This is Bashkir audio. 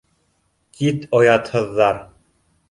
— Кит, оятһыҙҙар!